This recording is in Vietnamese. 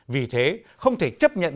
vì thế không thể chấp nhận